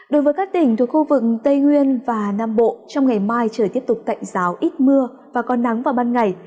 đối với các tỉnh thuộc khu vực tây nguyên và nam bộ trong ngày mai trời tiếp tục tạnh giáo ít mưa và có nắng vào ban ngày